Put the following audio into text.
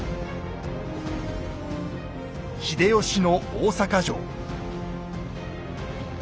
秀吉の大坂城。